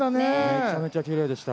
めちゃめちゃきれいでした。